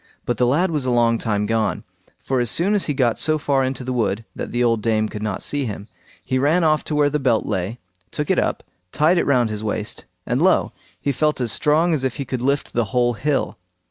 But the lad was a long time gone, for as soon as he got so far into the wood, that the old dame could not see him, he ran off to where the belt lay, took it up, tied it round his waist, and lo! he felt as strong as if he could lift the whole hill.